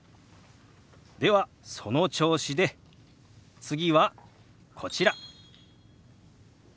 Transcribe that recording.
ではその調子で次はこちら。